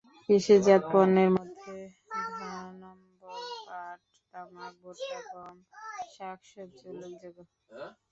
কৃষিজাত পণ্যের মধ্যে ধানম্বরপাট, তামাক, ভুট্টা, গম, শাক-সবজি উল্লেখযোগ্য।